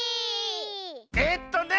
えっとね